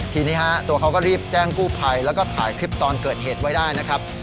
ทีนี้ฮะตัวเขาก็รีบแจ้งกู้ภัยแล้วก็ถ่ายคลิปตอนเกิดเหตุไว้ได้นะครับ